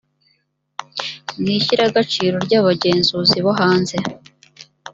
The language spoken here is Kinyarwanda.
n ishyiramugaciro ry abagenzuzi bo hanze